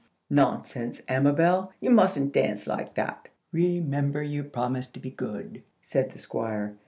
"Nonsense, Amabel, you mustn't dance like that. Remember, you promised to be good," said the Squire.